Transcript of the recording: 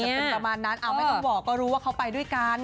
เป็นประมาณนั้นไม่ต้องบอกก็รู้ว่าเขาไปด้วยกัน